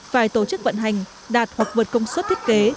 phải tổ chức vận hành đạt hoặc vượt công suất thiết kế